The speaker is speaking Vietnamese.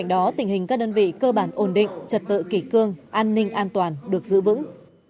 đó tình hình các đơn vị cơ bản ổn định trật tự kỷ cương an ninh an toàn được giữ vững